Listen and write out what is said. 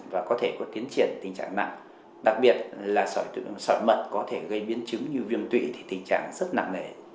và có thể có tiến triển tình trạng nặng đặc biệt là sỏi sỏi mật có thể gây biến chứng như viêm tụy thì tình trạng rất nặng nề